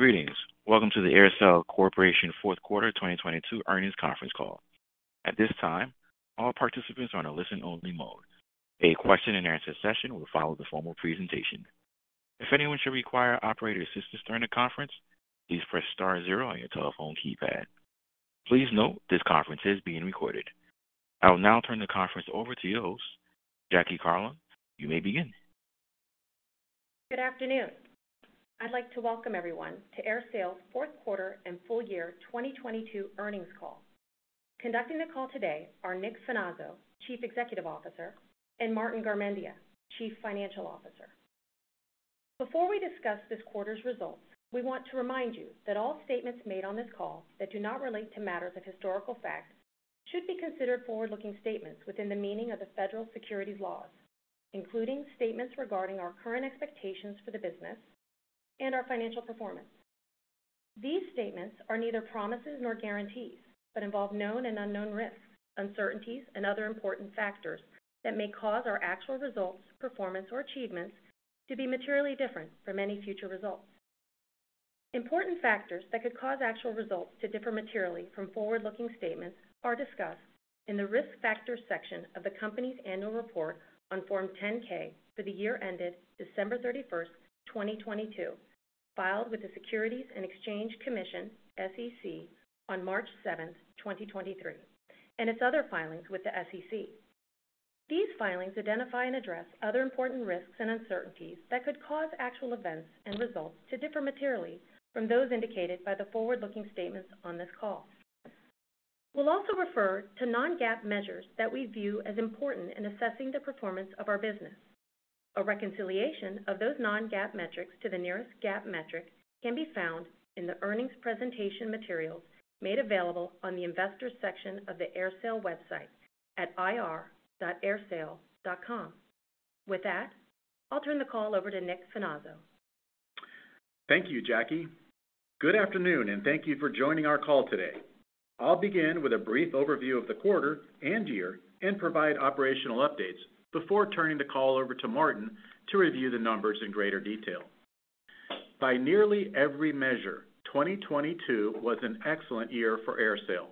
Greetings. Welcome to the AerSale Corporation Fourth Quarter 2022 Earnings Conference Call. At this time, all participants are on a listen only mode. A question and answer session will follow the formal presentation. If anyone should require operator assistance during the conference, please press star zero on your telephone keypad. Please note this conference is being recorded. I will now turn the conference over to your host, Jackie Carlon. You may begin. Good afternoon. I'd like to welcome everyone to AerSale's fourth quarter and full year 2022 earnings call. Conducting the call today are Nick Finazzo, Chief Executive Officer, and Martin Garmendia, Chief Financial Officer. Before we discuss this quarter's results, we want to remind you that all statements made on this call that do not relate to matters of historical fact should be considered forward-looking statements within the meaning of the federal securities laws, including statements regarding our current expectations for the business and our financial performance. These statements are neither promises nor guarantees, but involve known and unknown risks, uncertainties and other important factors that may cause our actual results, performance or achievements to be materially different from any future results. Important factors that could cause actual results to differ materially from forward-looking statements are discussed in the Risk Factors section of the company's annual report on Form 10-K for the year ended December thirty-first, 2022, filed with the Securities and Exchange Commission, SEC, on March seventh, 2023, and its other filings with the SEC. These filings identify and address other important risks and uncertainties that could cause actual events and results to differ materially from those indicated by the forward-looking statements on this call. We'll also refer to non-GAAP measures that we view as important in assessing the performance of our business. A reconciliation of those non-GAAP metrics to the nearest GAAP metric can be found in the earnings presentation materials made available on the Investors section of the AerSale website at ir.aersale.com. With that, I'll turn the call over to Nick Finazzo. Thank you, Jackie. Good afternoon, thank you for joining our call today. I'll begin with a brief overview of the quarter and year and provide operational updates before turning the call over to Martin to review the numbers in greater detail. By nearly every measure, 2022 was an excellent year for AerSale.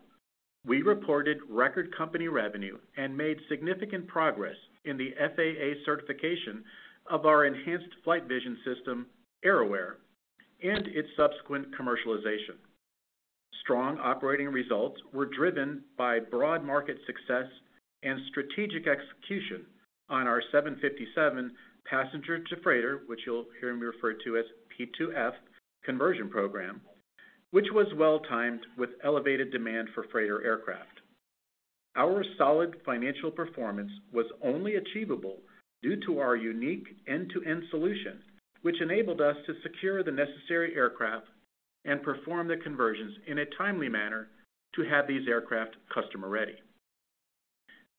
We reported record company revenue and made significant progress in the FAA certification of our Enhanced Flight Vision System, AerAware, its subsequent commercialization. Strong operating results were driven by broad market success and strategic execution on our 757 passenger to freighter, which you'll hear me refer to as P2F conversion program, which was well-timed with elevated demand for freighter aircraft. Our solid financial performance was only achievable due to our unique end-to-end solution, which enabled us to secure the necessary aircraft and perform the conversions in a timely manner to have these aircraft customer ready.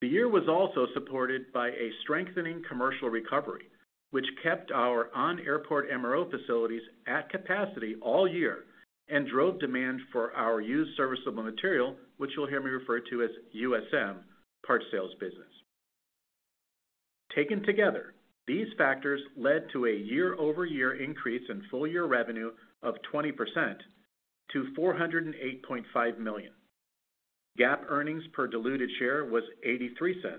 The year was also supported by a strengthening commercial recovery, which kept our on-airport MRO facilities at capacity all year and drove demand for our used serviceable material, which you'll hear me refer to as USM parts sales business. Taken together, these factors led to a year-over-year increase in full year revenue of 20% to $408.5 million. GAAP earnings per diluted share was $0.83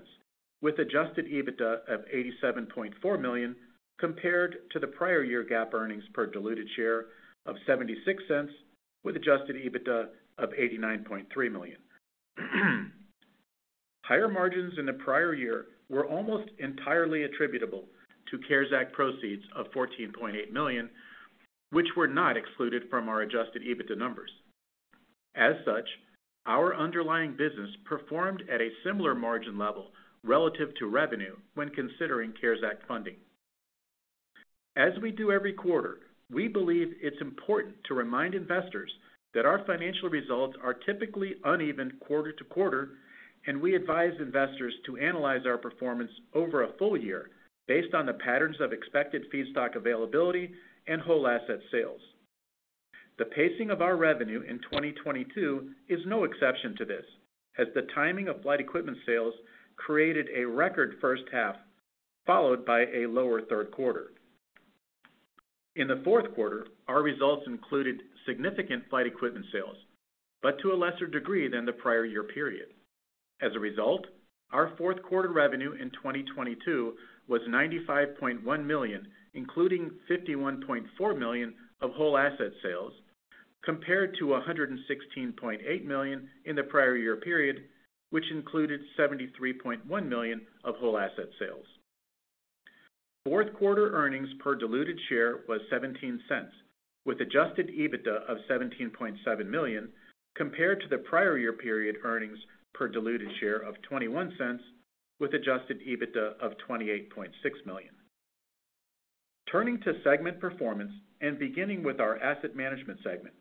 with adjusted EBITDA of $87.4 million compared to the prior year GAAP earnings per diluted share of $0.76 with adjusted EBITDA of $89.3 million. Higher margins in the prior year were almost entirely attributable to CARES Act proceeds of $14.8 million, which were not excluded from our adjusted EBITDA numbers. As such, our underlying business performed at a similar margin level relative to revenue when considering CARES Act funding. As we do every quarter, we believe it's important to remind investors that our financial results are typically uneven quarter-to-quarter, and we advise investors to analyze our performance over a full year based on the patterns of expected feedstock availability and whole asset sales. The pacing of our revenue in 2022 is no exception to this, as the timing of flight equipment sales created a record first half, followed by a lower third quarter. In the fourth quarter, our results included significant flight equipment sales, but to a lesser degree than the prior year period. Our fourth quarter revenue in 2022 was $95.1 million, including $51.4 million of whole asset sales, compared to $116.8 million in the prior year period, which included $73.1 million of whole asset sales. Fourth quarter earnings per diluted share was $0.17, with adjusted EBITDA of $17.7 million, compared to the prior year period earnings per diluted share of $0.21 with adjusted EBITDA of $28.6 million. Turning to segment performance and beginning with our Asset Management segment.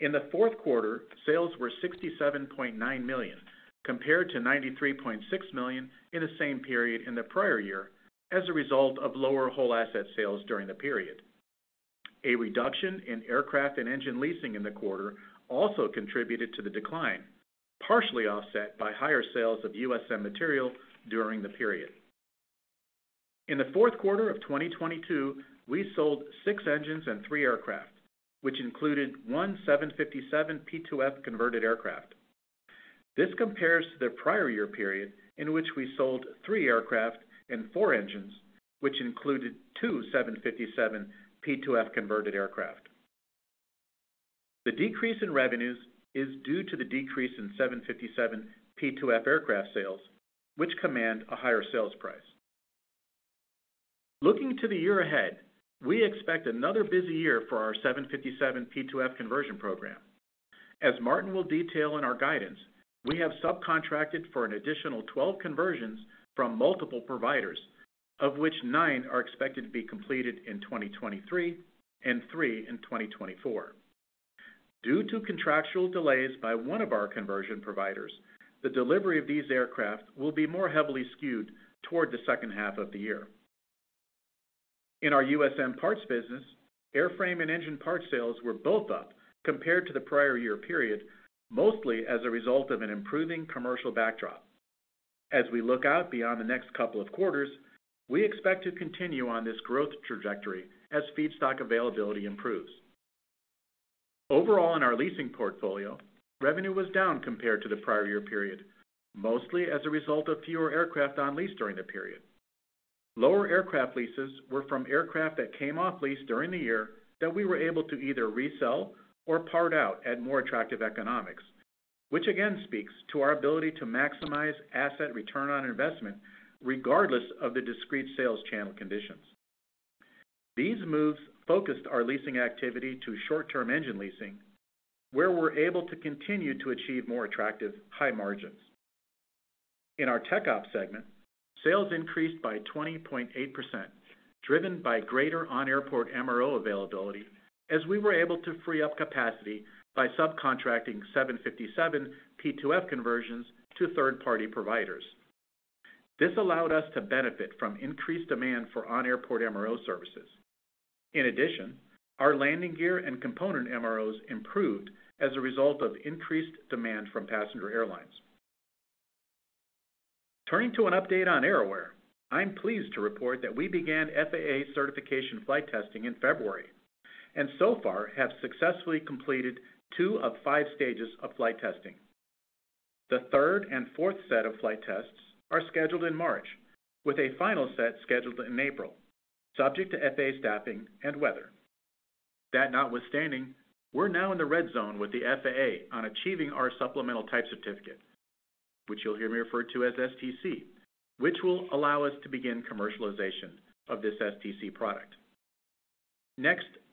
In the fourth quarter, sales were $67.9 million, compared to $93.6 million in the same period in the prior year as a result of lower whole asset sales during the period. A reduction in aircraft and engine leasing in the quarter also contributed to the decline, partially offset by higher sales of USM material during the period. In the fourth quarter of 2022, we sold six engines and three aircraft, which included one 757 P2F converted aircraft. This compares to the prior year period in which we sold three aircraft and four engines, which included two 757 P2F converted aircraft. The decrease in revenues is due to the decrease in 757 P2F aircraft sales, which command a higher sales price. Looking to the year ahead, we expect another busy year for our 757 P2F conversion program. As Martin will detail in our guidance, we have subcontracted for an additional 12 conversions from multiple providers, of which nine are expected to be completed in 2023 and three in 2024. Due to contractual delays by one of our conversion providers, the delivery of these aircraft will be more heavily skewed toward the second half of the year. In our USM Parts business, airframe and engine part sales were both up compared to the prior year period, mostly as a result of an improving commercial backdrop. As we look out beyond the next couple of quarters, we expect to continue on this growth trajectory as feedstock availability improves. Overall, in our leasing portfolio, revenue was down compared to the prior year period, mostly as a result of fewer aircraft on lease during the period. Lower aircraft leases were from aircraft that came off lease during the year that we were able to either resell or part out at more attractive economics, which again speaks to our ability to maximize asset return on investment regardless of the discrete sales channel conditions. These moves focused our leasing activity to short-term engine leasing, where we're able to continue to achieve more attractive high margins. In our TechOps segment, sales increased by 20.8%, driven by greater on-airport MRO availability as we were able to free up capacity by subcontracting 757 P2F conversions to third-party providers. This allowed us to benefit from increased demand for on-airport MRO services. Our landing gear and component MROs improved as a result of increased demand from passenger airlines. Turning to an update on AerAware, I'm pleased to report that we began FAA certification flight testing in February, and so far have successfully completed 2 of 5 stages of flight testing. The third and fourth set of flight tests are scheduled in March, with a final set scheduled in April, subject to FAA staffing and weather. That notwithstanding, we're now in the red zone with the FAA on achieving our Supplemental Type Certificate, which you'll hear me refer to as STC, which will allow us to begin commercialization of this STC product.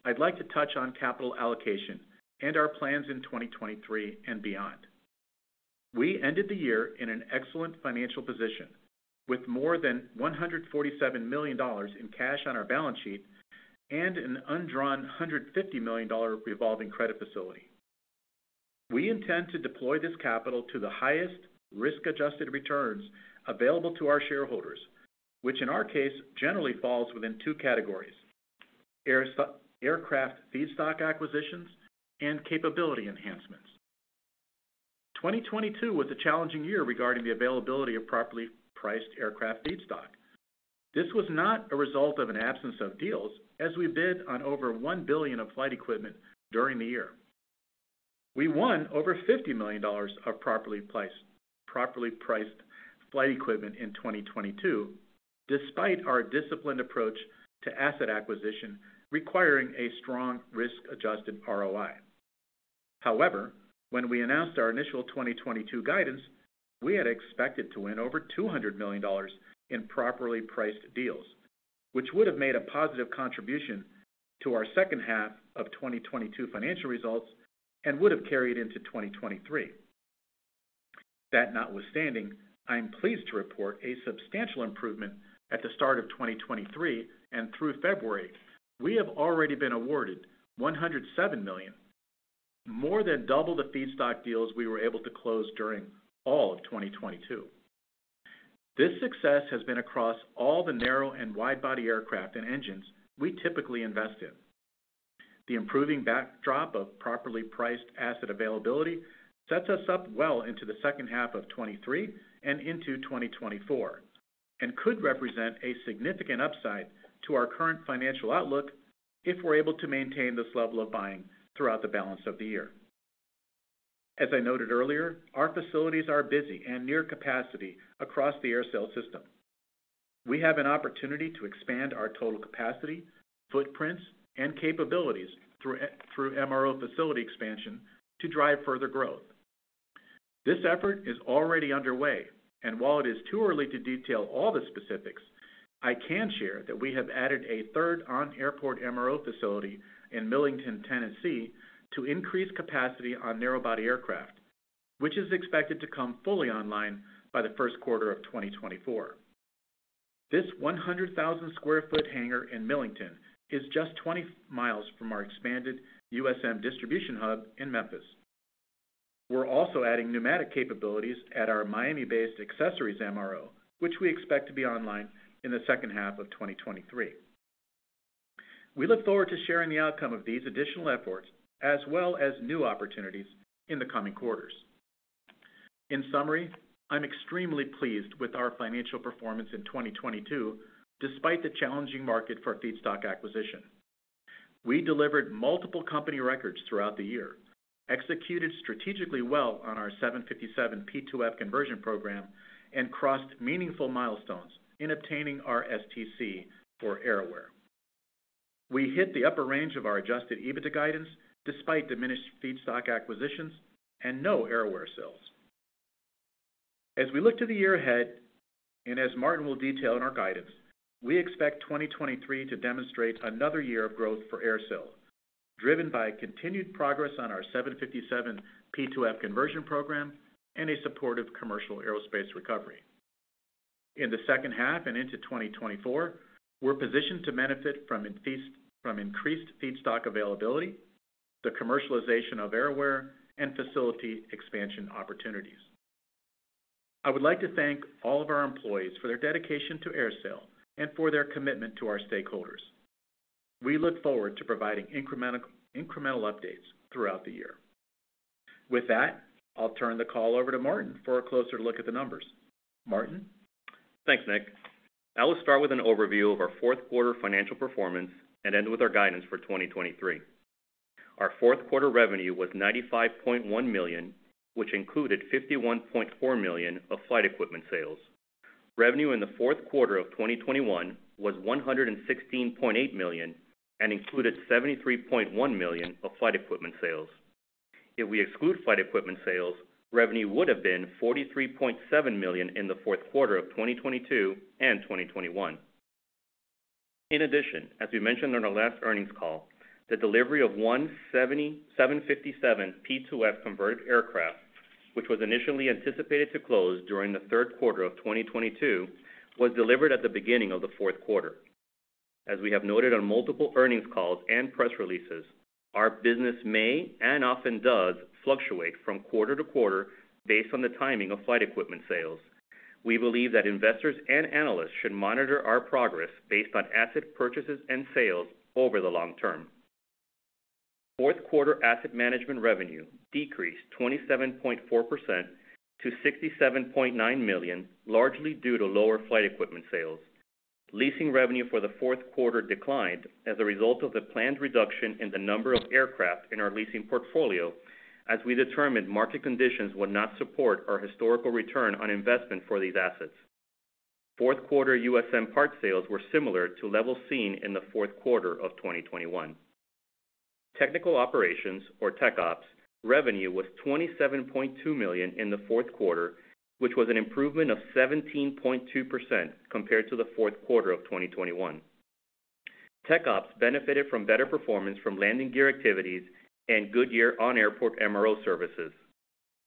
I'd like to touch on capital allocation and our plans in 2023 and beyond. We ended the year in an excellent financial position with more than $147 million in cash on our balance sheet and an undrawn $150 million revolving credit facility. We intend to deploy this capital to the highest risk-adjusted returns available to our shareholders, which in our case generally falls within 2 categories: aircraft feedstock acquisitions and capability enhancements. 2022 was a challenging year regarding the availability of properly priced aircraft feedstock. This was not a result of an absence of deals as we bid on over $1 billion of flight equipment during the year. We won over $50 million of properly priced flight equipment in 2022, despite our disciplined approach to asset acquisition requiring a strong risk-adjusted ROI. When we announced our initial 2022 guidance, we had expected to win over $200 million in properly priced deals, which would have made a positive contribution to our second half of 2022 financial results and would have carried into 2023. That notwithstanding, I'm pleased to report a substantial improvement at the start of 2023, and through February, we have already been awarded $107 million, more than double the feedstock deals we were able to close during all of 2022. This success has been across all the narrow and wide-body aircraft and engines we typically invest in. The improving backdrop of properly priced asset availability sets us up well into the second half of 2023 and into 2024, could represent a significant upside to our current financial outlook if we're able to maintain this level of buying throughout the balance of the year. As I noted earlier, our facilities are busy and near capacity across the AerSale system. We have an opportunity to expand our total capacity, footprints, and capabilities through MRO facility expansion to drive further growth. While it is too early to detail all the specifics, I can share that we have added a third on-airport MRO facility in Millington, Tennessee, to increase capacity on narrow-body aircraft, which is expected to come fully online by the first quarter of 2024. This 100,000 sq ft hangar in Millington is just 20 miles from our expanded USM distribution hub in Memphis. We're also adding pneumatic capabilities at our Miami-based accessories MRO, which we expect to be online in the second half of 2023. We look forward to sharing the outcome of these additional efforts, as well as new opportunities in the coming quarters. In summary, I'm extremely pleased with our financial performance in 2022 despite the challenging market for feedstock acquisition. We delivered multiple company records throughout the year, executed strategically well on our 757 P2F conversion program, crossed meaningful milestones in obtaining our STC for AerAware. We hit the upper range of our adjusted EBITDA guidance despite diminished feedstock acquisitions and no AerAware sales. We look to the year ahead, and as Martin will detail in our guidance, we expect 2023 to demonstrate another year of growth for AerSale, driven by continued progress on our 757 P2F conversion program and a supportive commercial aerospace recovery. The second half and into 2024, we're positioned to benefit from increased feedstock availability, the commercialization of AerAware, and facility expansion opportunities. I would like to thank all of our employees for their dedication to AerSale and for their commitment to our stakeholders. We look forward to providing incremental updates throughout the year. With that, I'll turn the call over to Martin for a closer look at the numbers. Martin? Thanks, Nick. I will start with an overview of our fourth quarter financial performance and end with our guidance for 2023. Our fourth quarter revenue was $95.1 million, which included $51.4 million of flight equipment sales. Revenue in the fourth quarter of 2021 was $116.8 million and included $73.1 million of flight equipment sales. If we exclude flight equipment sales, revenue would have been $43.7 million in the fourth quarter of 2022 and 2021. In addition, as we mentioned on our last earnings call, the delivery of one 757 P2F converted aircraft, which was initially anticipated to close during the third quarter of 2022, was delivered at the beginning of the fourth quarter. As we have noted on multiple earnings calls and press releases, our business may and often does fluctuate from quarter to quarter based on the timing of flight equipment sales. We believe that investors and analysts should monitor our progress based on asset purchases and sales over the long term. Fourth quarter Asset Management revenue decreased 27.4% to $67.9 million, largely due to lower flight equipment sales. Leasing revenue for the fourth quarter declined as a result of the planned reduction in the number of aircraft in our leasing portfolio as we determined market conditions would not support our historical return on investment for these assets. Fourth quarter USM parts sales were similar to levels seen in the fourth quarter of 2021. Technical Operations, or TechOps, revenue was $27.2 million in the fourth quarter, which was an improvement of 17.2% compared to the fourth quarter of 2021. TechOps benefited from better performance from landing gear activities and Goodyear on-airport MRO services.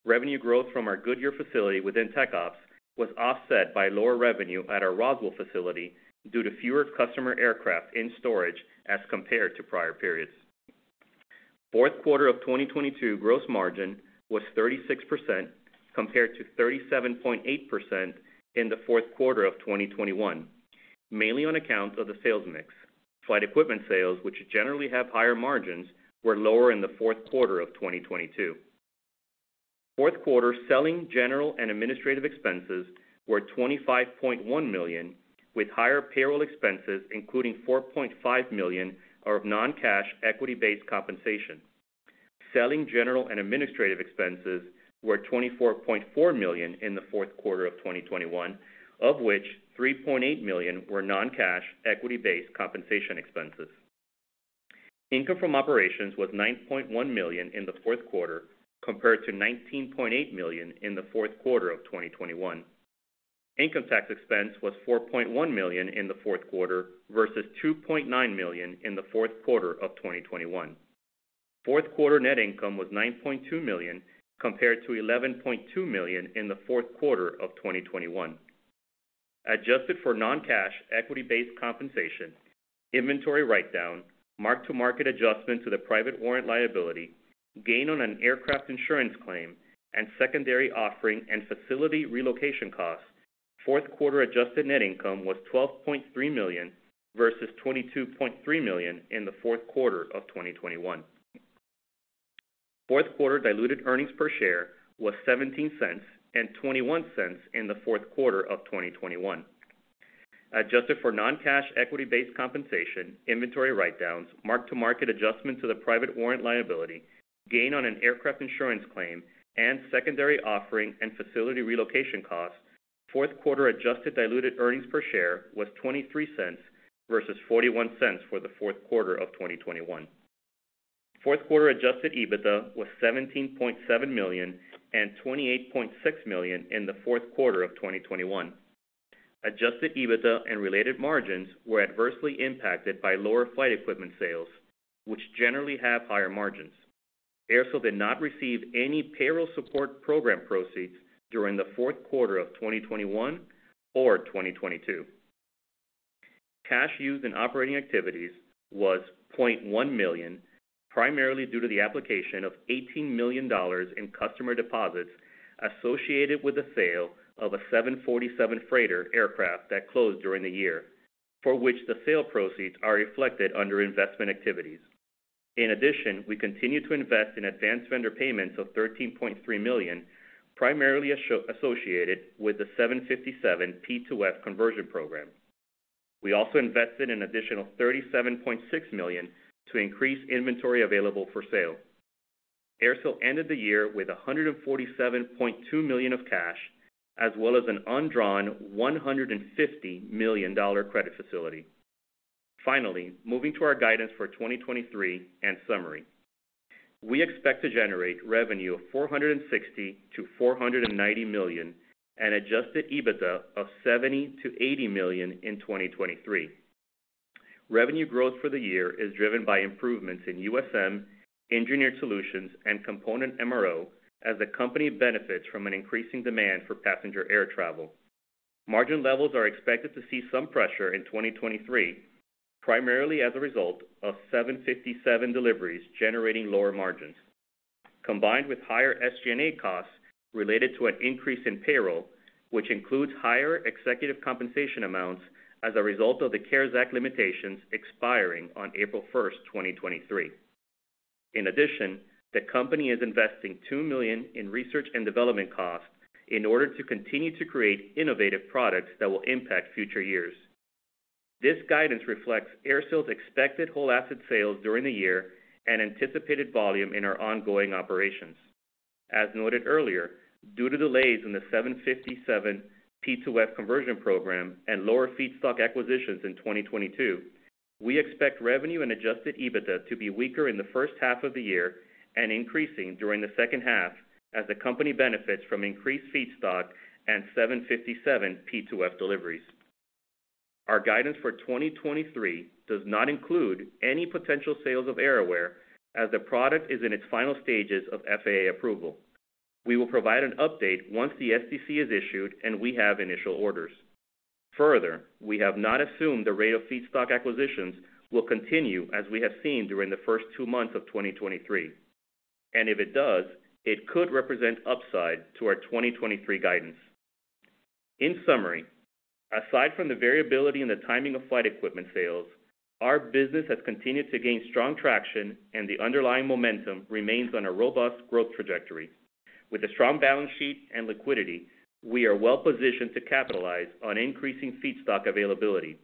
Revenue growth from our Goodyear facility within TechOps was offset by lower revenue at our Roswell facility due to fewer customer aircraft in storage as compared to prior periods. Fourth quarter of 2022 gross margin was 36% compared to 37.8% in the fourth quarter of 2021, mainly on account of the sales mix. Flight equipment sales, which generally have higher margins, were lower in the fourth quarter of 2022. Fourth quarter selling, general and administrative expenses were $25.1 million, with higher payroll expenses including $4.5 million of non-cash equity-based compensation. Selling, general and administrative expenses were $24.4 million in the fourth quarter of 2021, of which $3.8 million were non-cash equity-based compensation expenses. Income from operations was $9.1 million in the fourth quarter compared to $19.8 million in the fourth quarter of 2021. Income tax expense was $4.1 million in the fourth quarter versus $2.9 million in the fourth quarter of 2021. Fourth quarter net income was $9.2 million compared to $11.2 million in the fourth quarter of 2021. Adjusted for non-cash equity-based compensation, inventory write-down, mark-to-market adjustment to the private warrant liability, gain on an aircraft insurance claim, and secondary offering and facility relocation costs, fourth quarter adjusted net income was $12.3 million versus $22.3 million in the fourth quarter of 2021. Fourth quarter diluted earnings per share was $0.17 and $0.21 in the fourth quarter of 2021. Adjusted for non-cash equity-based compensation, inventory write-downs, mark-to-market adjustment to the private warrant liability, gain on an aircraft insurance claim, and secondary offering and facility relocation costs, fourth quarter adjusted diluted earnings per share was $0.23 versus $0.41 for the fourth quarter of 2021. Fourth quarter adjusted EBITDA was $17.7 million and $28.6 million in the fourth quarter of 2021. Adjusted EBITDA and related margins were adversely impacted by lower flight equipment sales, which generally have higher margins. AerSale did not receive any Payroll Support Program proceeds during the fourth quarter of 2021 or 2022. Cash used in operating activities was $0.1 million, primarily due to the application of $18 million in customer deposits associated with the sale of a 747 freighter aircraft that closed during the year, for which the sale proceeds are reflected under investment activities. In addition, we continue to invest in advanced vendor payments of $13.3 million, primarily associated with the 757 P2F conversion program. We also invested an additional $37.6 million to increase inventory available for sale. AerSale ended the year with $147.2 million of cash as well as an undrawn $150 million credit facility. Moving to our guidance for 2023 and summary. We expect to generate revenue of $460 million-$490 million and adjusted EBITDA of $70 million-$80 million in 2023. Revenue growth for the year is driven by improvements in USM, Engineered Solutions and component MRO as the company benefits from an increasing demand for passenger air travel. Margin levels are expected to see some pressure in 2023, primarily as a result of Boeing 757 deliveries generating lower margins, combined with higher SG&A costs related to an increase in payroll, which includes higher executive compensation amounts as a result of the CARES Act limitations expiring on April 1, 2023. The company is investing $2 million in research and development costs in order to continue to create innovative products that will impact future years. This guidance reflects AerSale's expected whole asset sales during the year and anticipated volume in our ongoing operations. As noted earlier, due to delays in the 757 P2F conversion program and lower feedstock acquisitions in 2022, we expect revenue and adjusted EBITDA to be weaker in the first half of the year and increasing during the second half as the company benefits from increased feedstock and 757 P2F deliveries. Our guidance for 2023 does not include any potential sales of AerAware as the product is in its final stages of FAA approval. We will provide an update once the STC is issued and we have initial orders. Further, we have not assumed the rate of feedstock acquisitions will continue as we have seen during the first 2 months of 2023. If it does, it could represent upside to our 2023 guidance. In summary, aside from the variability in the timing of flight equipment sales, our business has continued to gain strong traction and the underlying momentum remains on a robust growth trajectory. With a strong balance sheet and liquidity, we are well positioned to capitalize on increasing feedstock availability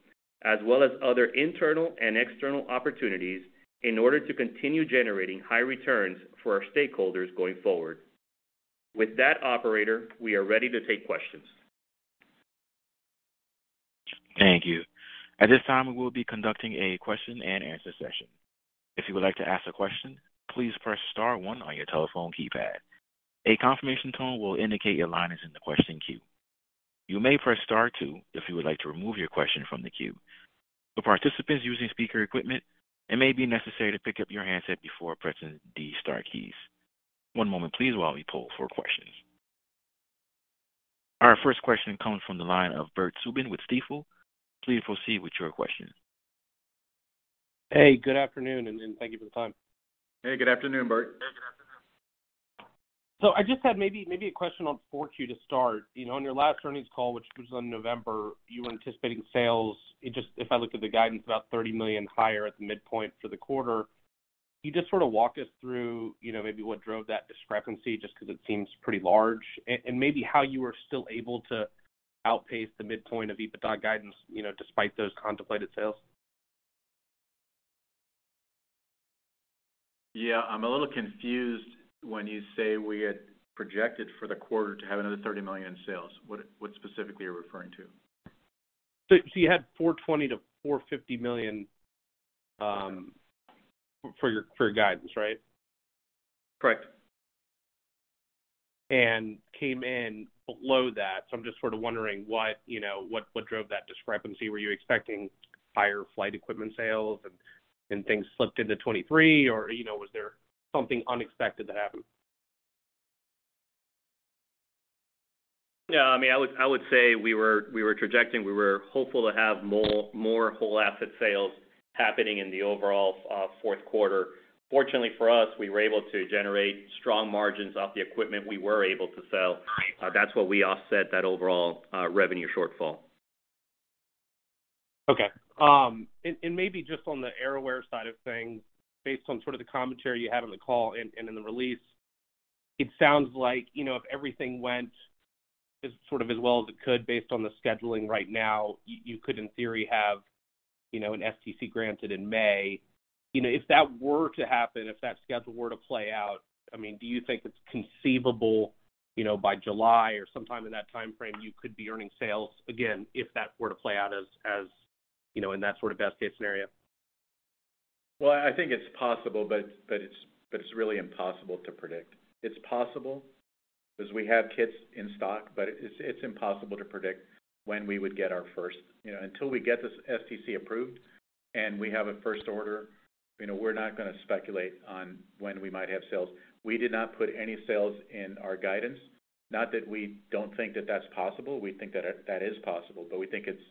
as well as other internal and external opportunities in order to continue generating high returns for our stakeholders going forward. With that, operator, we are ready to take questions. Thank you. At this time, we will be conducting a question and answer session. If you would like to ask a question, please press star one on your telephone keypad. A confirmation tone will indicate your line is in the question queue. You may press star two if you would like to remove your question from the queue. For participants using speaker equipment, it may be necessary to pick up your handset before pressing the star keys. One moment please while we poll for questions. Our first question comes from the line of Bert Subin with Stifel. Please proceed with your question. Hey, good afternoon, and thank you for the time. Hey, good afternoon, Bert. I just had maybe a question on 4Q to start. You know, on your last earnings call, which was on November, you were anticipating sales. If I look at the guidance about $30 million higher at the midpoint for the quarter. Can you just sort of walk us through, you know, maybe what drove that discrepancy, just because it seems pretty large and maybe how you were still able to outpace the midpoint of EBITDA guidance, you know, despite those contemplated sales? Yeah, I'm a little confused when you say we had projected for the quarter to have another $30 million in sales. What specifically are you referring to? You had $420 million-$450 million for your guidance, right? Correct. Came in below that. I'm just sort of wondering what, you know, what drove that discrepancy. Were you expecting higher flight equipment sales and things slipped into 23, or you know, was there something unexpected that happened? Yeah, I mean, I would say we were trajecting. We were hopeful to have more whole asset sales happening in the overall fourth quarter. Fortunately for us, we were able to generate strong margins off the equipment we were able to sell. Right. That's what we offset that overall revenue shortfall. Okay. Maybe just on the AerAware side of things, based on sort of the commentary you had on the call and in the release, it sounds like, you know, if everything went as sort of as well as it could based on the scheduling right now, you could in theory have, you know, an STC granted in May. You know, if that were to happen, if that schedule were to play out, I mean, do you think it's conceivable, you know, by July or sometime in that timeframe, you could be earning sales again if that were to play out as, you know, in that sort of best case scenario? Well, I think it's possible, but it's really impossible to predict. It's possible because we have kits in stock, but it's impossible to predict when we would get our first... You know, until we get this STC approved and we have a first order, you know, we're not gonna speculate on when we might have sales. We did not put any sales in our guidance. Not that we don't think that that's possible. We think that is possible, but we think it's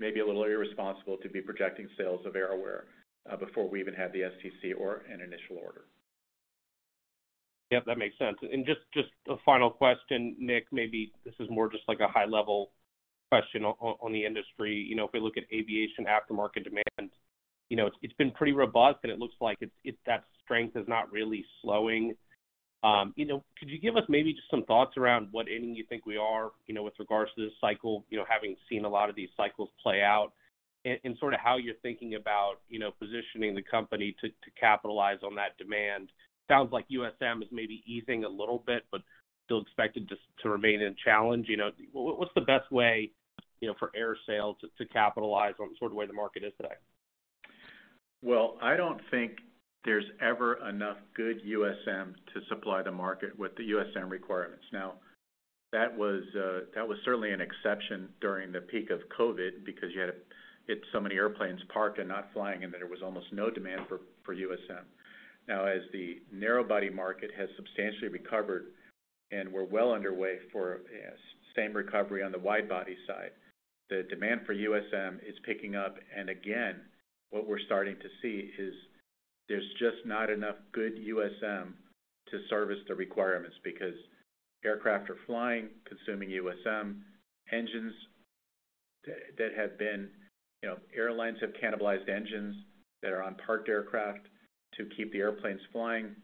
Maybe a little irresponsible to be projecting sales of AerAware, before we even had the STC or an initial order. Yep, that makes sense. Just a final question, Nick, maybe this is more just like a high-level question on the industry. You know, if we look at aviation aftermarket demand, you know, it's been pretty robust, and it looks like it's, that strength is not really slowing. You know, could you give us maybe just some thoughts around what inning you think we are, you know, with regards to this cycle, you know, having seen a lot of these cycles play out, and sort of how you're thinking about, you know, positioning the company to capitalize on that demand? Sounds like USM is maybe easing a little bit, but still expected just to remain a challenge. You know, what's the best way, you know, for AerSale to capitalize on the sort of way the market is today? Well, I don't think there's ever enough good USM to supply the market with the USM requirements. Now, that was certainly an exception during the peak of COVID because you had so many airplanes parked and not flying, and there was almost no demand for USM. Now, as the narrow body market has substantially recovered, and we're well underway for a same recovery on the wide body side, the demand for USM is picking up. Again, what we're starting to see is there's just not enough good USM to service the requirements because aircraft are flying, consuming USM. Engines that had been. You know, airlines have cannibalized engines that are on parked aircraft to keep the airplanes flying.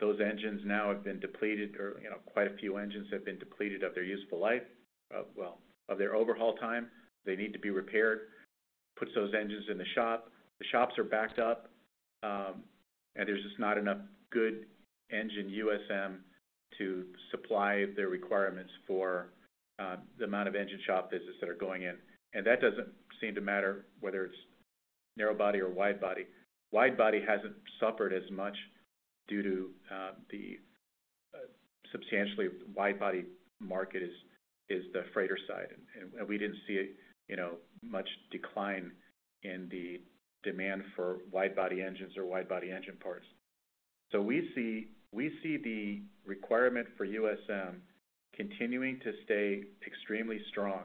Those engines now have been depleted or, you know, quite a few engines have been depleted of their useful life, of, well, of their overhaul time. They need to be repaired, puts those engines in the shop. The shops are backed up, there's just not enough good engine USM to supply the requirements for the amount of engine shop visits that are going in. That doesn't seem to matter whether it's narrow body or wide body. Wide body hasn't suffered as much due to the substantially wide body market is the freighter side. We didn't see, you know, much decline in the demand for wide body engines or wide body engine parts. We see the requirement for USM continuing to stay extremely strong.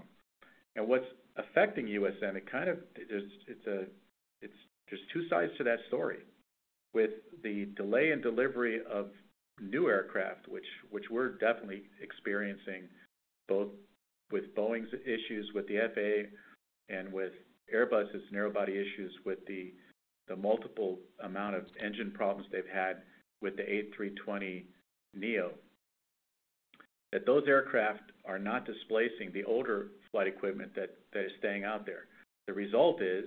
What's affecting USM, there's two sides to that story. With the delay in delivery of new aircraft, which we're definitely experiencing, both with Boeing's issues with the FAA and with Airbus' narrow-body issues, with the multiple amount of engine problems they've had with the A320neo, those aircraft are not displacing the older flight equipment that is staying out there. The result is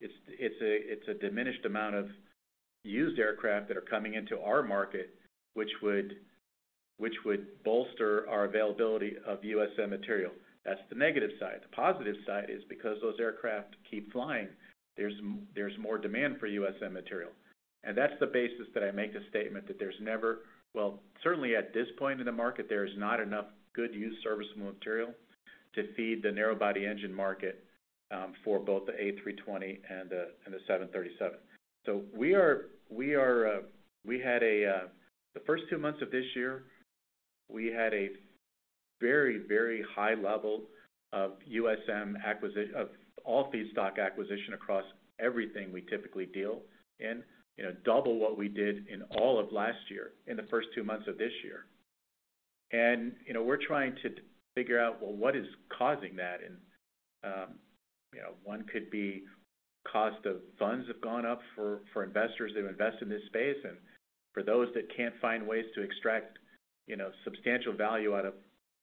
it's a diminished amount of used aircraft that are coming into our market, which would bolster our availability of USM material. That's the negative side. The positive side is because those aircraft keep flying, there's more demand for USM material. That's the basis that I make the statement that there's never... Certainly at this point in the market, there is not enough good, used, serviceable material to feed the narrow body engine market, for both the A320 and the 737. The first 2 months of this year, we had a very, very high level of USM of all feedstock acquisition across everything we typically deal in. You know, double what we did in all of last year in the first 2 months of this year. You know, we're trying to figure out, well, what is causing that? You know, one could be cost of funds have gone up for investors who invest in this space, and for those that can't find ways to extract, you know, substantial value out of,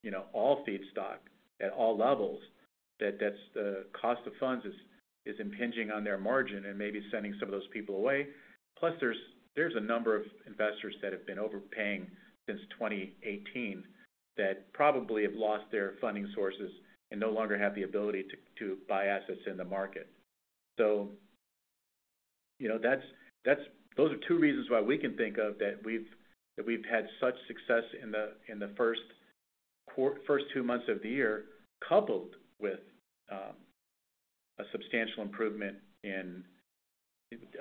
you know, all feedstock at all levels, that's the cost of funds is impinging on their margin and maybe sending some of those people away. There's a number of investors that have been overpaying since 2018 that probably have lost their funding sources and no longer have the ability to buy assets in the market. you know, those are two reasons why we can think of that we've had such success in the first two months of the year, coupled with a substantial improvement in,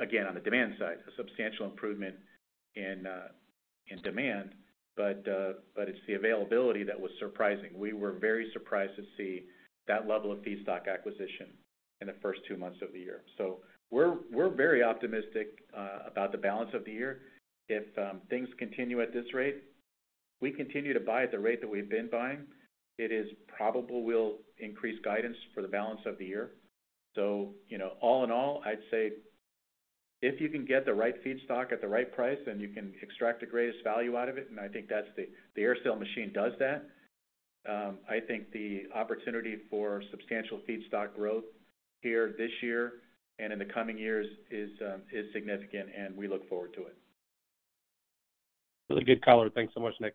again, on the demand side, a substantial improvement in demand. It's the availability that was surprising. We were very surprised to see that level of feedstock acquisition in the first two months of the year. We're very optimistic about the balance of the year. If things continue at this rate, we continue to buy at the rate that we've been buying, it is probable we'll increase guidance for the balance of the year. You know, all in all, I'd say if you can get the right feedstock at the right price and you can extract the greatest value out of it, and I think that's the AerSale machine does that, I think the opportunity for substantial feedstock growth here this year and in the coming years is significant, and we look forward to it. Really good color. Thanks so much, Nick.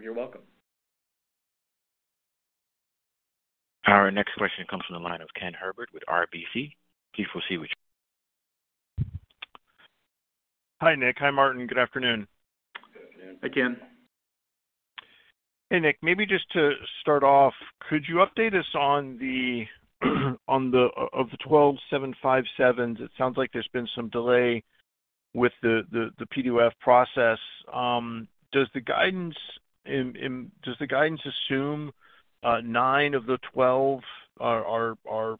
You're welcome. Our next question comes from the line of Ken Herbert with RBC. Please proceed with your. Hi, Nick. Hi, Martin. Good afternoon. Good afternoon. Hi, Ken. Hey, Nick. Maybe just to start off, could you update us on the 12 Boeing 757s? It sounds like there's been some delay. With the P2F process, does the guidance assume 9 of the 12 are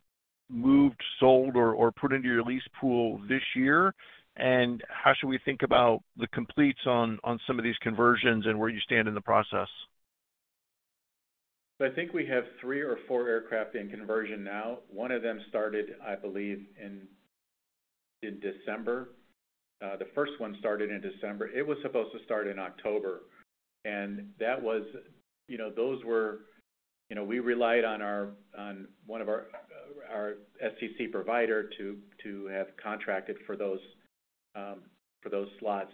moved, sold, or put into your lease pool this year? How should we think about the completes on some of these conversions and where you stand in the process? I think we have 3 or 4 aircraft in conversion now. 1 of them started, I believe, in December. The first 1 started in December. It was supposed to start in October. You know, we relied on 1 of our STC provider to have contracted for those slots,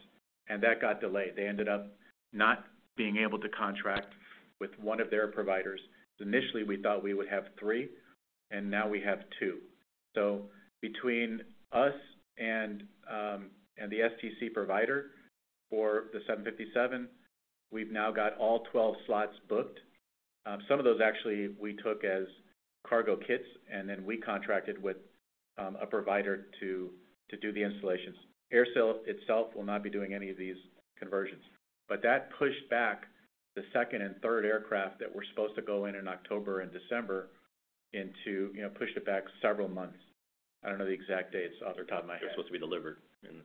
and that got delayed. They ended up not being able to contract with 1 of their providers. Initially, we thought we would have 3, and now we have 2. Between us and the STC provider for the Boeing 757, we've now got all 12 slots booked. Some of those actually we took as cargo kits, and then we contracted with a provider to do the installations. AerSale itself will not be doing any of these conversions. That pushed back the second and third aircraft that were supposed to go in in October and December into, you know, pushed it back several months. I don't know the exact dates off the top of my head. They're supposed to be delivered in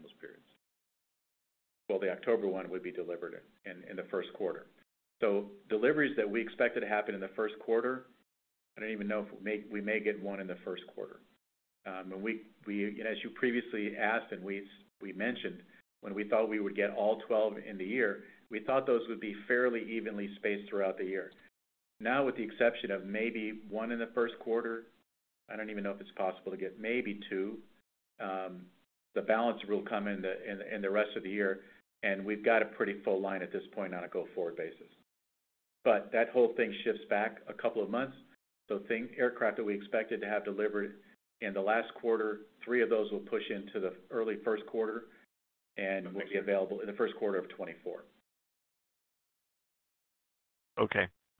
those periods. The October one would be delivered in the first quarter. Deliveries that we expected to happen in the first quarter, I don't even know if we may get one in the first quarter. We, as you previously asked and we mentioned, when we thought we would get all 12 in the year, we thought those would be fairly evenly spaced throughout the year. With the exception of maybe one in the first quarter, I don't even know if it's possible to get maybe two, the balance will come in the rest of the year, and we've got a pretty full line at this point on a go-forward basis. That whole thing shifts back a couple of months. Aircraft that we expected to have delivered in the last quarter, three of those will push into the early first quarter and will be available in the first quarter of 2024.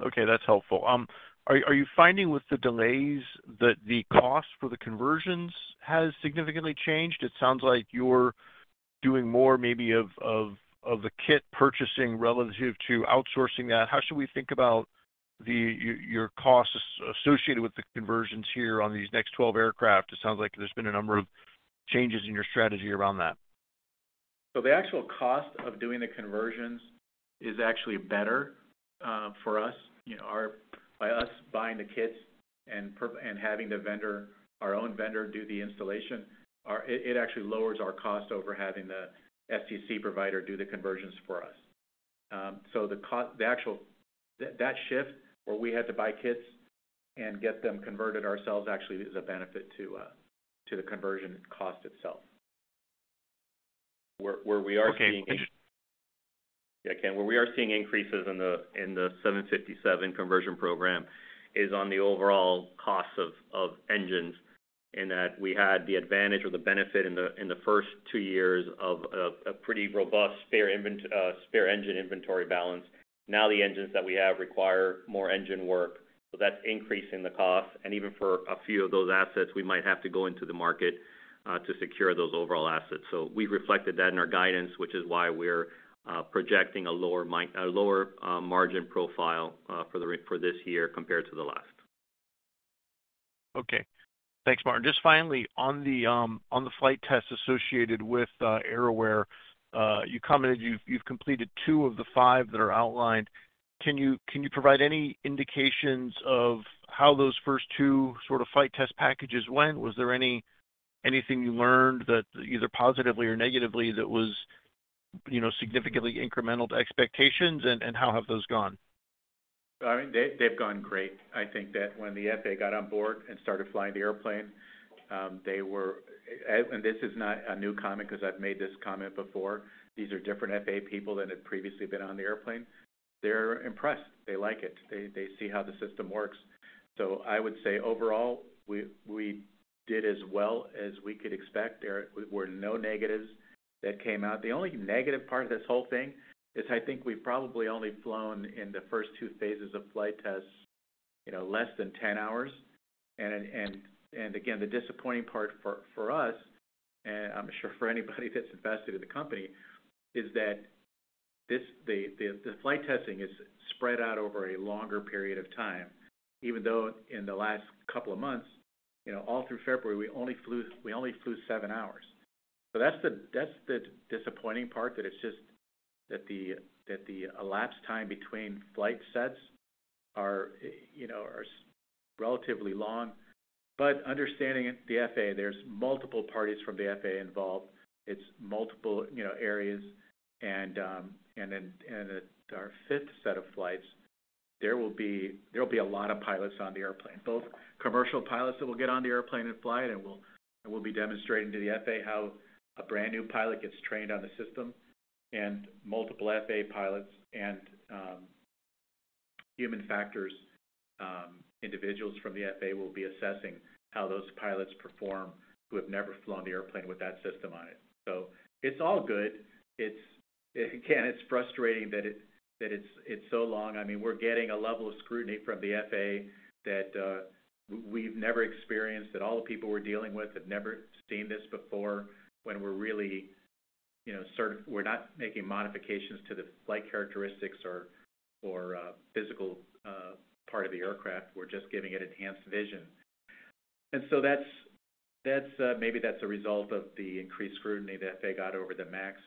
Okay, that's helpful. Are you finding with the delays that the cost for the conversions has significantly changed? It sounds like you're doing more maybe of the kit purchasing relative to outsourcing that. How should we think about your costs associated with the conversions here on these next 12 aircraft? It sounds like there's been a number of changes in your strategy around that. The actual cost of doing the conversions is actually better for us. You know, By us buying the kits and having the vendor, our own vendor do the installation, it actually lowers our cost over having the STC provider do the conversions for us. That, that shift where we had to buy kits and get them converted ourselves actually is a benefit to the conversion cost itself. Where we are seeing- Okay. Yeah, Ken. Where we are seeing increases in the 757 conversion program is on the overall cost of engines, in that we had the advantage or the benefit in the first 2 years of a pretty robust spare engine inventory balance. The engines that we have require more engine work, so that's increasing the cost. Even for a few of those assets, we might have to go into the market to secure those overall assets. We reflected that in our guidance, which is why we're projecting a lower margin profile for this year compared to the last. Okay. Thanks, Martin. Just finally, on the flight test associated with AerAware, you commented you've completed two of the five that are outlined. Can you provide any indications of how those first two sort of flight test packages went? Was there anything you learned that either positively or negatively that was, you know, significantly incremental to expectations and how have those gone? I mean, they've gone great. I think that when the FAA got on board and started flying the airplane, they were. This is not a new comment because I've made this comment before. These are different FAA people than had previously been on the airplane. They're impressed. They like it. They see how the system works. I would say overall, we did as well as we could expect. There were no negatives that came out. The only negative part of this whole thing is I think we've probably only flown in the first two phases of flight tests, you know, less than 10 hours. Again, the disappointing part for us, and I'm sure for anybody that's invested in the company, is that the flight testing is spread out over a longer period of time. Even though in the last couple of months, you know, all through February, we only flew 7 hours. That's the disappointing part, that it's just that the elapsed time between flight sets are, you know, are relatively long. Understanding it's the FAA, there's multiple parties from the FAA involved. It's multiple, you know, areas. In our fifth set of flights, there will be a lot of pilots on the airplane, both commercial pilots that will get on the airplane and fly it. We'll be demonstrating to the FAA how a brand-new pilot gets trained on the system. Multiple FAA pilots and human factors individuals from the FAA will be assessing how those pilots perform who have never flown the airplane with that system on it. It's all good. Again, it's frustrating that it's so long. I mean, we're getting a level of scrutiny from the FAA that we've never experienced, that all the people we're dealing with have never seen this before when we're really, you know, we're not making modifications to the flight characteristics or, physical part of the aircraft. We're just giving it enhanced vision. That's, that's, maybe that's a result of the increased scrutiny that they got over the MAX.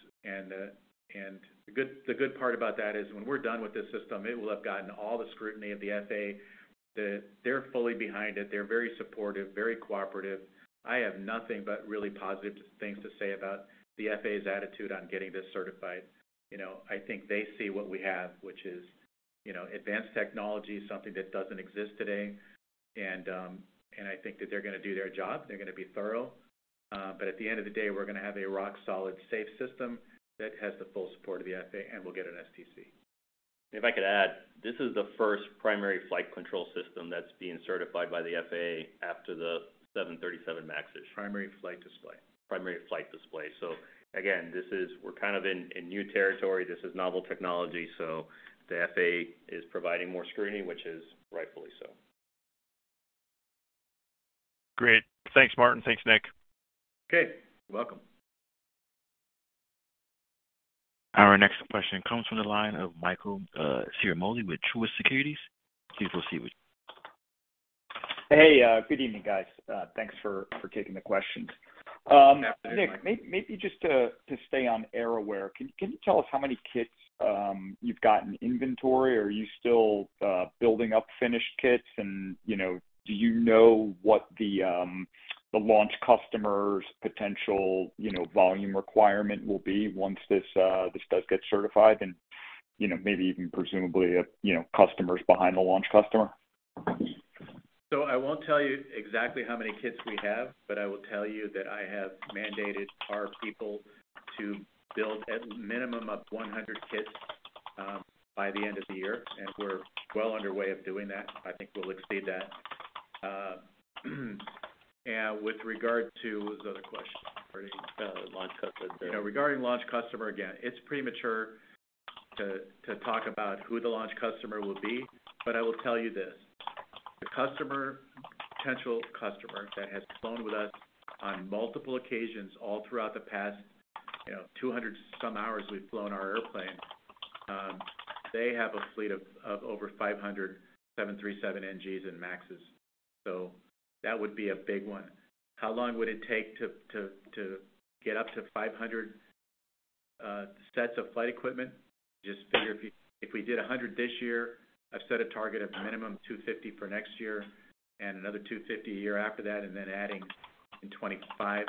The good part about that is when we're done with this system, it will have gotten all the scrutiny of the FAA, that they're fully behind it. They're very supportive, very cooperative. I have nothing but really positive things to say about the FAA's attitude on getting this certified. You know, I think they see what we have, which is, you know, advanced technology, something that doesn't exist today. I think that they're going to do their job. They're going to be thorough. At the end of the day, we're going to have a rock solid, safe system that has the full support of the FAA, and we'll get an STC. If I could add, this is the first primary flight control system that's being certified by the FAA after the 737 MAX issue. Primary Flight Display. Primary Flight Display. Again, we're kind of in new territory. This is novel technology. The FAA is providing more screening, which is rightfully so. Great. Thanks, Martin. Thanks, Nick. Okay, you're welcome. Our next question comes from the line of Michael Ciarmoli with Truist Securities. Hey, good evening, guys. Thanks for taking the questions. Yeah. Nick, maybe just to stay on AerAware, can you tell us how many kits you've got in inventory? Are you still building up finished kits? Do you know what the launch customer's potential, you know, volume requirement will be once this does get certified? Maybe even presumably, you know, customers behind the launch customer. I won't tell you exactly how many kits we have, but I will tell you that I have mandated our people to build a minimum of 100 kits by the end of the year, and we're well underway of doing that. I think we'll exceed that. What was the other question regarding? Launch customer. You know, regarding launch customer, again, it's premature to talk about who the launch customer will be, but I will tell you this. The customer, potential customer that has flown with us on multiple occasions all throughout the past, you know, 200 some hours we've flown our airplane, they have a fleet of over 500 737 NGs and MAXes. That would be a big one. How long would it take to get up to 500 sets of flight equipment? Just figure if we did 100 this year, I've set a target of minimum 250 for next year and another 250 a year after that, and then adding in 2025,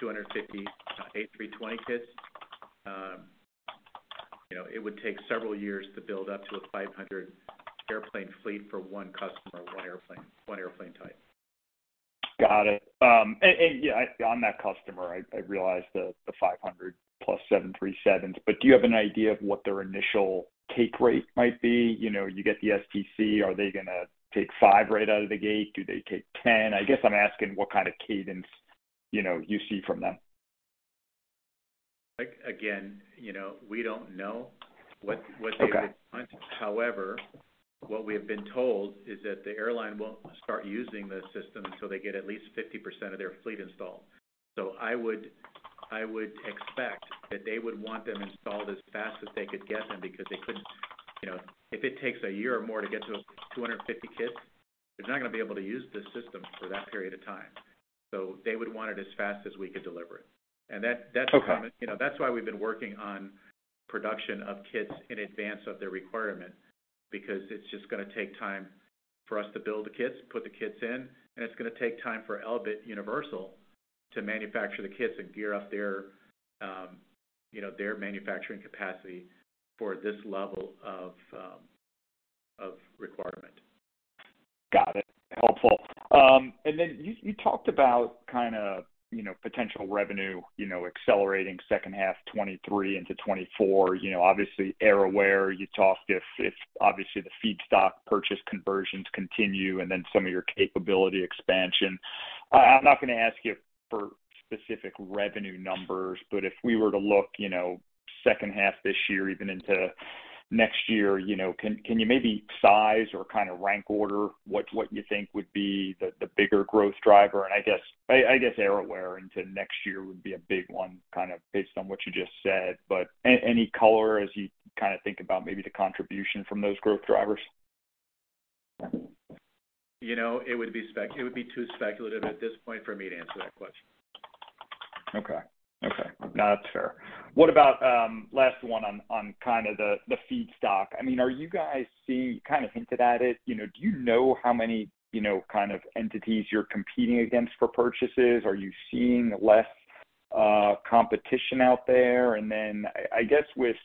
250 A320 kits. You know, it would take several years to build up to a 500 airplane fleet for one customer, one airplane, one airplane type. Got it. Yeah, on that customer, I realize the 500 plus 737s, but do you have an idea of what their initial take rate might be? You know, you get the STC, are they going to take 5 right out of the gate? Do they take 10? I guess I'm asking what kind of cadence, you know, you see from them. Again, you know, we don't know what they would want. Okay. What we have been told is that the airline won't start using the system until they get at least 50% of their fleet installed. I would expect that they would want them installed as fast as they could get them because they couldn't. You know, if it takes a year or more to get to 250 kits, they're not going to be able to use this system for that period of time. They would want it as fast as we could deliver it. That's kind of. Okay. You know, that's why we've been working on production of kits in advance of their requirement, because it's just going to take time for us to build the kits, put the kits in, and it's going to take time for Elbit Systems to manufacture the kits and gear up their, you know, their manufacturing capacity for this level of requirement. Got it. Helpful. Then you talked about kind of, you know, potential revenue, you know, accelerating second half 2023 into 2024. You know, obviously, AerAware, you talked if obviously the feedstock purchase conversions continue and then some of your capability expansion. I'm not going to ask you for specific revenue numbers, but if we were to look, you know, second half this year, even into next year, you know, can you maybe size or kind of rank order what you think would be the bigger growth driver? And I guess AerAware into next year would be a big one, kind of based on what you just said. But any color as you kind of think about maybe the contribution from those growth drivers. You know, it would be too speculative at this point for me to answer that question. Okay. Okay. No, that's fair. What about last one on kind of the feedstock. I mean, are you guys you kind of hinted at it, you know, do you know how many, you know, kind of entities you're competing against for purchases? Are you seeing less competition out there? I guess with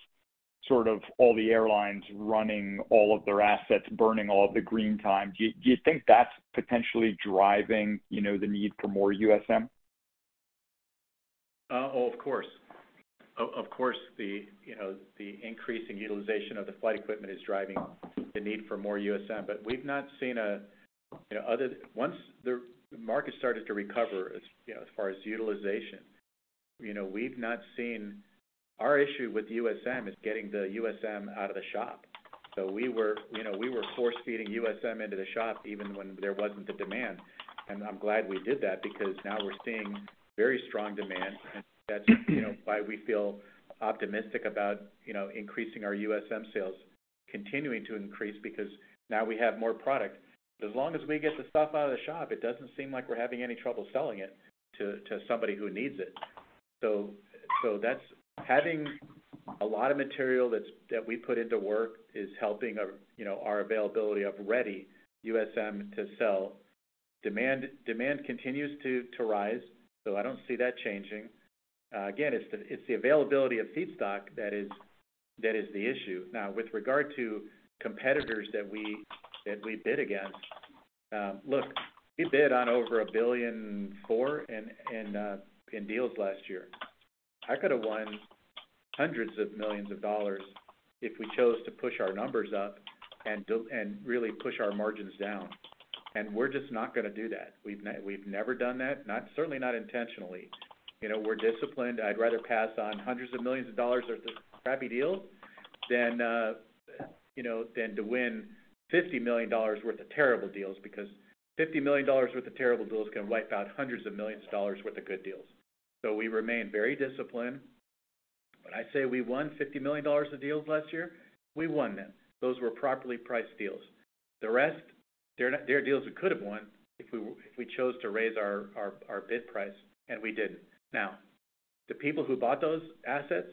sort of all the airlines running all of their assets, burning all of the green time, do you think that's potentially driving, you know, the need for more USM? Of course. Of course, the, you know, the increase in utilization of the flight equipment is driving the need for more USM. Our issue with USM is getting the USM out of the shop. We were, you know, force-feeding USM into the shop even when there wasn't the demand. I'm glad we did that because now we're seeing very strong demand. That's, you know, why we feel optimistic about, you know, increasing our USM sales continuing to increase because now we have more product. As long as we get the stuff out of the shop, it doesn't seem like we're having any trouble selling it to somebody who needs it. That's having a lot of material that we put into work is helping our, you know, our availability of ready USM to sell. Demand continues to rise, so I don't see that changing. Again, it's the availability of feedstock that is the issue. Now, with regard to competitors that we bid against, look, we bid on over $1,000,000,004 in deals last year. I could have won hundreds of millions of dollars if we chose to push our numbers up and really push our margins down. We're just not gonna do that. We've never done that. Not, certainly not intentionally. You know, we're disciplined. I'd rather pass on hundreds of millions of dollars of the crappy deals than, you know, than to win $50 million worth of terrible deals, because $50 million worth of terrible deals can wipe out hundreds of millions of dollars worth of good deals. We remain very disciplined. When I say we won $50 million of deals last year, we won them. Those were properly priced deals. The rest, they're deals we could have won if we chose to raise our bid price, and we didn't. The people who bought those assets,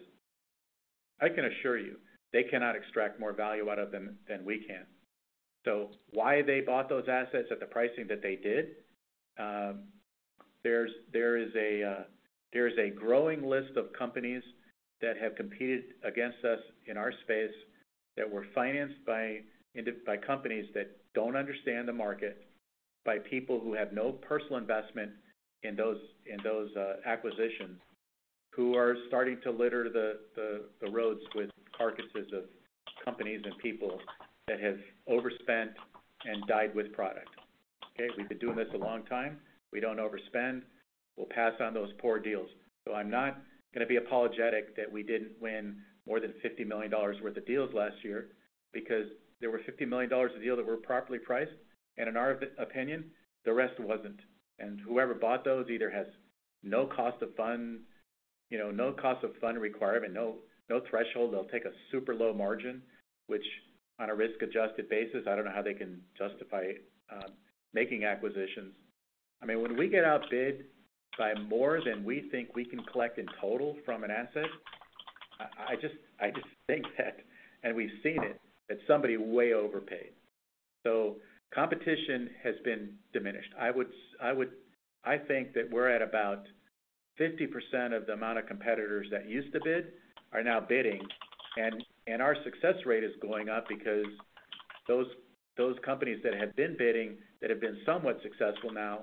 I can assure you, they cannot extract more value out of them than we can. Why they bought those assets at the pricing that they did, there is a growing list of companies that have competed against us in our space that were financed by companies that don't understand the market, by people who have no personal investment in those acquisitions, who are starting to litter the roads with carcasses of companies and people that have overspent and died with product. Okay. We've been doing this a long time. We don't overspend. We'll pass on those poor deals. I'm not gonna be apologetic that we didn't win more than $50 million worth of deals last year because there were $50 million of deals that were properly priced, and in our opinion, the rest wasn't. Whoever bought those either has no cost of fund, you know, no cost of fund requirement, no threshold. They'll take a super low margin, which on a risk-adjusted basis, I don't know how they can justify making acquisitions. I mean, when we get outbid by more than we think we can collect in total from an asset, I just think that and we've seen it, that somebody way overpaid. Competition has been diminished. I think that we're at about 50% of the amount of competitors that used to bid are now bidding. Our success rate is going up because those companies that have been bidding that have been somewhat successful now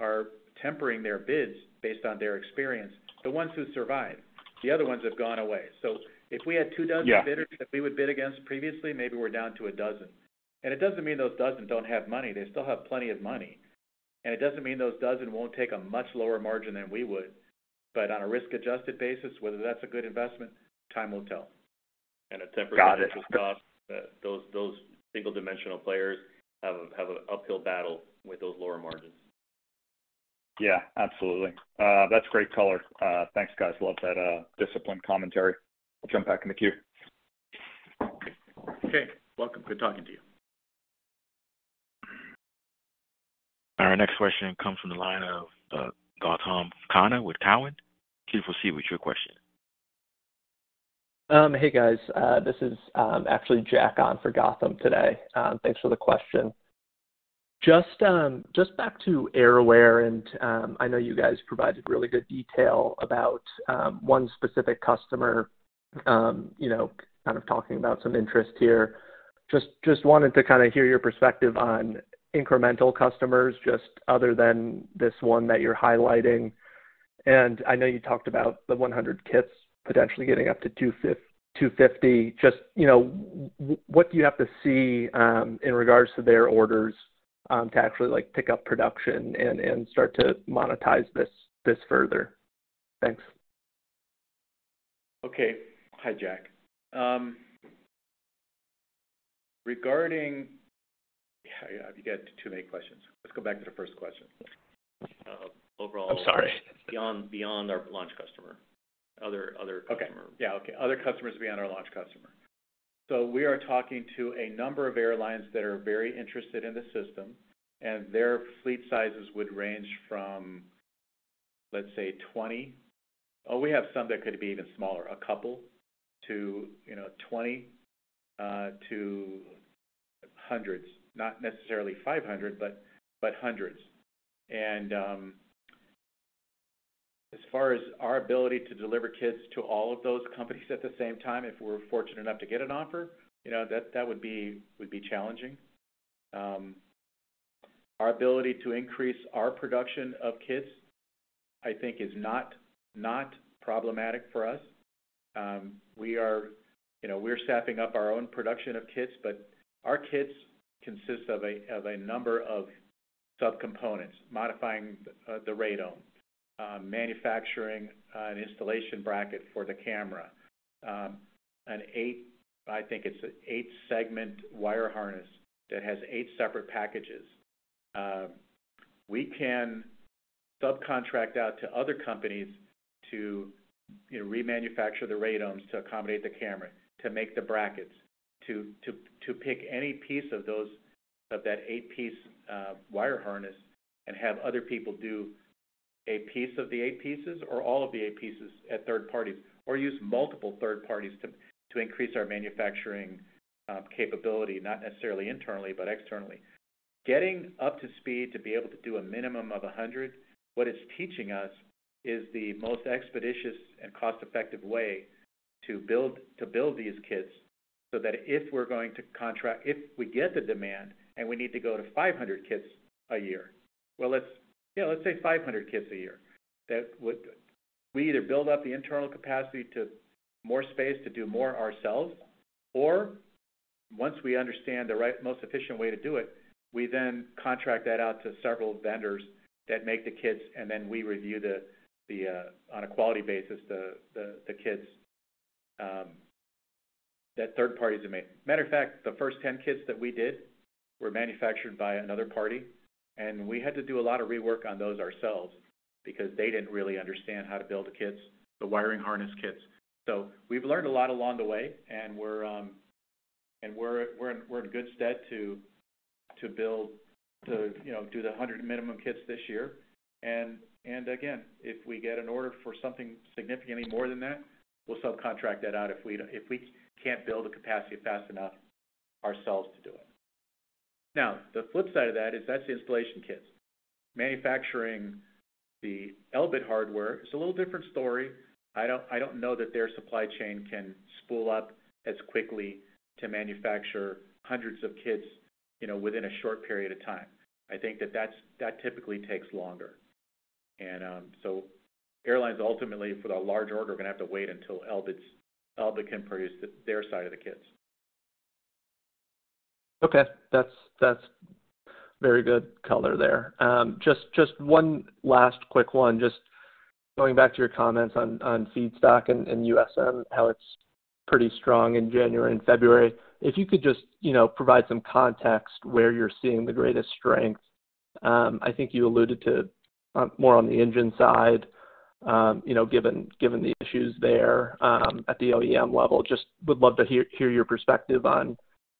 are tempering their bids based on their experience. The ones who survived. The other ones have gone away. So if we had two dozen- Yeah... bidders that we would bid against previously, maybe we're down to a dozen. It doesn't mean those dozen don't have money. They still have plenty of money. It doesn't mean those dozen won't take a much lower margin than we would. On a risk-adjusted basis, whether that's a good investment, time will tell. Got it. A temporary cost. Those single-dimensional players have a uphill battle with those lower margins. Yeah, absolutely. That's great color. Thanks, guys. Love that disciplined commentary. I'll jump back in the queue. Okay. Welcome. Good talking to you. Our next question comes from the line of Gautam Khanna with Cowen. Please proceed with your question. Hey, guys. This is actually Jack on for Gautam today. Thanks for the question. Just back to AerAware and I know you guys provided really good detail about one specific customer, you know, kind of talking about some interest here. Just wanted to kinda hear your perspective on incremental customers, just other than this one that you're highlighting. I know you talked about the 100 kits potentially getting up to 250. Just, you know, what do you have to see in regards to their orders to actually, like, pick up production and start to monetize this further? Thanks. Okay. Hi, Jack. You got too many questions. Let's go back to the first question. overall. I'm sorry. Beyond our launch customer. Other customer. Okay. Okay. Other customers beyond our launch customer. We are talking to a number of airlines that are very interested in the system, and their fleet sizes would range from, let's say, 20. We have some that could be even smaller, a couple to, you know, 20, to hundreds. Not necessarily 500, but hundreds. As far as our ability to deliver kits to all of those companies at the same time, if we're fortunate enough to get an offer, you know, that would be challenging. Our ability to increase our production of kits I think is not problematic for us. We are, you know, we're staffing up our own production of kits, our kits consist of a number of subcomponents, modifying the radome, manufacturing an installation bracket for the camera, an eight-segment wire harness that has eight separate packages. We can subcontract out to other companies to, you know, remanufacture the radomes to accommodate the camera, to make the brackets, to pick any piece of those, of that eight-piece wire harness and have other people do a piece of the eight pieces or all of the eight pieces at third parties, or use multiple third parties to increase our manufacturing capability, not necessarily internally, but externally. Getting up to speed to be able to do a minimum of 100, what it's teaching us is the most expeditious and cost-effective way to build these kits so that if we get the demand and we need to go to 500 kits a year, let's, you know, let's say 500 kits a year. We either build up the internal capacity to more space to do more ourselves, or once we understand the right most efficient way to do it, we then contract that out to several vendors that make the kits, and then we review the on a quality basis the kits, that third parties have made. Matter of fact, the first 10 kits that we did were manufactured by another party, we had to do a lot of rework on those ourselves because they didn't really understand how to build the kits, the wiring harness kits. We've learned a lot along the way, and we're in good stead to build the, you know, do the 100 minimum kits this year. Again, if we get an order for something significantly more than that, we'll subcontract that out if we can't build a capacity fast enough ourselves to do it. Now, the flip side of that is that's the installation kits. Manufacturing the Elbit hardware is a little different story. I don't know that their supply chain can spool up as quickly to manufacture hundreds of kits, you know, within a short period of time. I think that that's, that typically takes longer. Airlines ultimately, for the large order, are gonna have to wait until Elbit can produce their side of the kits. Okay. That's very good color there. Just one last quick one. Just going back to your comments on feedstock and USM, how it's pretty strong in January and February. If you could just, you know, provide some context where you're seeing the greatest strength. I think you alluded to more on the engine side, you know, given the issues there, at the OEM level. Just would love to hear your perspective on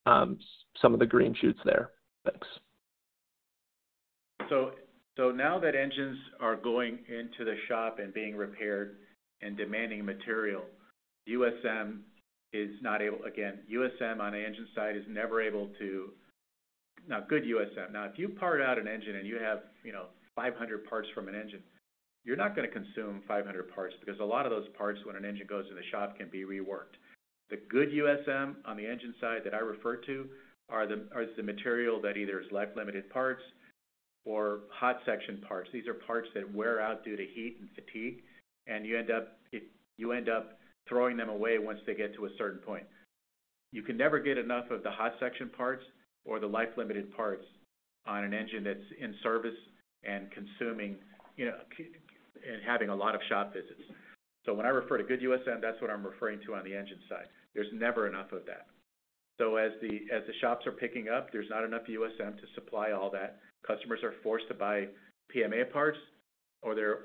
some of the green shoots there. Thanks. Now that engines are going into the shop and being repaired and demanding material. Good USM. If you part out an engine and you have, you know, 500 parts from an engine, you're not gonna consume 500 parts because a lot of those parts, when an engine goes in the shop, can be reworked. The good USM on the engine side that I refer to is the material that either is life-limited parts or hot section parts. These are parts that wear out due to heat and fatigue, and you end up throwing them away once they get to a certain point. You can never get enough of the hot section parts or the life-limited parts on an engine that's in service and consuming, you know, and having a lot of shop visits. When I refer to good USM, that's what I'm referring to on the engine side. There's never enough of that. As the, as the shops are picking up, there's not enough USM to supply all that. Customers are forced to buy PMA parts or they're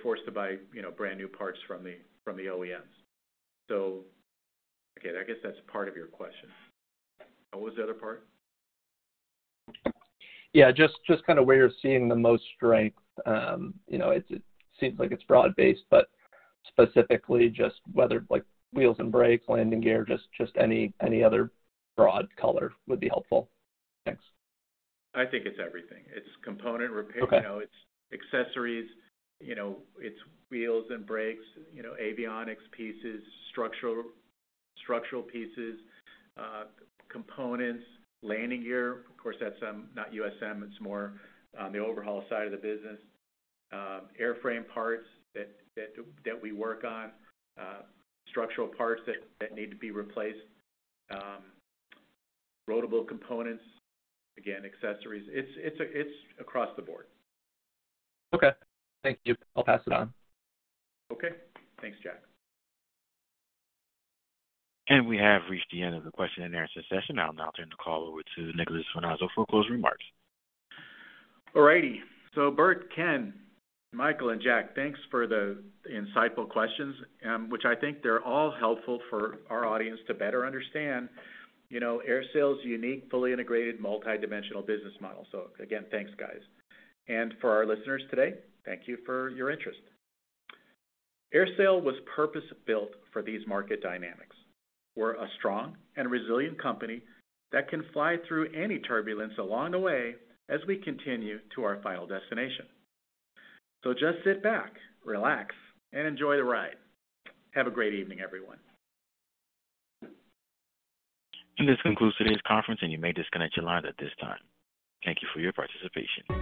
forced to buy, you know, brand-new parts from the OEMs. Okay, I guess that's part of your question. What was the other part? Yeah. Just kinda where you're seeing the most strength. you know, it seems like it's broad based, but specifically just whether, like, wheels and brakes, landing gear, just any other broad color would be helpful. Thanks. I think it's everything. It's component. Okay. You know, it's accessories, you know, it's wheels and brakes, you know, avionics pieces, structural pieces, components, landing gear. Of course, that's not USM, it's more on the overhaul side of the business. Airframe parts that we work on, structural parts that need to be replaced, rotable components, again, accessories. It's across the board. Okay. Thank you. I'll pass it on. Okay. Thanks, Jack. We have reached the end of the question and answer session. I'll now turn the call over to Nicolas Finazzo for closing remarks. All righty. Bert, Ken, Michael, and Jack, thanks for the insightful questions, which I think they're all helpful for our audience to better understand, you know, AerSale's unique, fully integrated, multi-dimensional business model. Again, thanks, guys. For our listeners today, thank you for your interest. AerSale was purpose-built for these market dynamics. We're a strong and resilient company that can fly through any turbulence along the way as we continue to our final destination. Just sit back, relax, and enjoy the ride. Have a great evening, everyone. This concludes today's conference, and you may disconnect your lines at this time. Thank you for your participation.